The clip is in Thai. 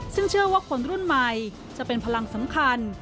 ซึ่งเชื่อว่าคนรุ่นใหม่จะเป็นพลังสำคัญ